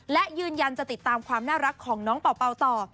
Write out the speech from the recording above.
และยืนยันจะติดตามความน่ารักของน้องเป่าต่อ